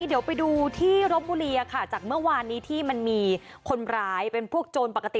เดี๋ยวไปดูที่รบบุรีค่ะจากเมื่อวานนี้ที่มันมีคนร้ายเป็นพวกโจรปกติ